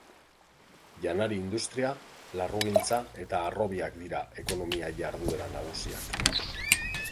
Janari industria, larrugintza eta harrobiak dira ekonomia jarduera nagusiak.